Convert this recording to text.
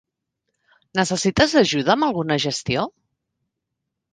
Necessites ajuda amb alguna gestió?